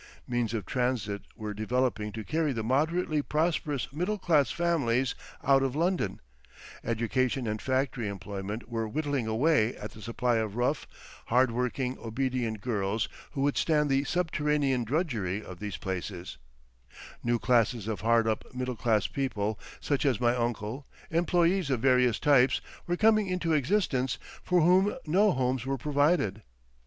Means of transit were developing to carry the moderately prosperous middle class families out of London, education and factory employment were whittling away at the supply of rough, hardworking, obedient girls who would stand the subterranean drudgery of these places, new classes of hard up middle class people such as my uncle, employees of various types, were coming into existence, for whom no homes were provided.